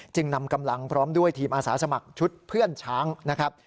นำกำลังพร้อมด้วยทีมอาสาสมัครชุดเพื่อนช้างนะครับ